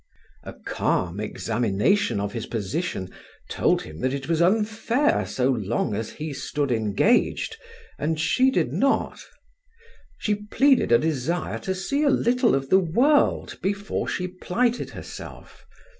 A calm examination of his position told him that it was unfair so long as he stood engaged, and she did not. She pleaded a desire to see a little of the world before she plighted herself.